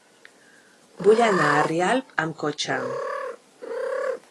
Vull anar a Rialp amb cotxe.